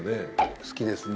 好きですね。